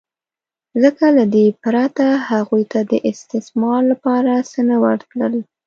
ځکه له دې پرته هغوی ته د استثمار لپاره څه نه ورتلل